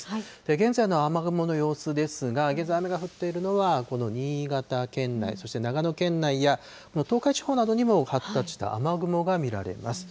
現在の雨雲の様子ですが、現在、雨が降っているのはこの新潟県内、そして長野県内や東海地方などにも発達した雨雲が見られます。